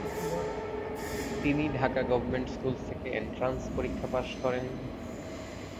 তিনি Dhaka government school থেকে entrance পরীক্ষা পাস করেন।